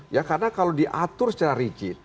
ya karena kalau diatur secara rigid